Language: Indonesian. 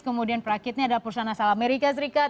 kemudian perakitnya ada perusahaan asal amerika serikat